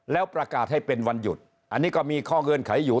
แล้วประกาศให้เป็นวันหยุดอันนี้ก็มีข้อเงื่อนไขอยู่